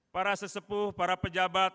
para sesepuh para pejabat